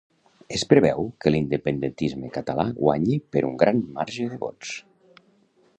Es preveu que l'independentisme català guanyi per un gran marge de vots